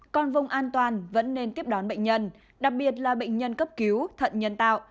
còn vùng an toàn vẫn nên tiếp đón bệnh nhân đặc biệt là bệnh nhân cấp cứu thận nhân tạo